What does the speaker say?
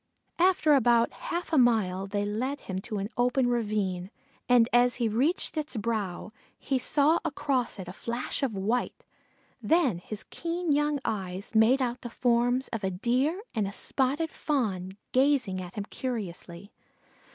After about half a mile they led him to an open ravine, and as he reached its brow he saw across it a flash of white; then his keen young eyes made out the forms of a Deer and a spotted Fawn gazing at him curiously.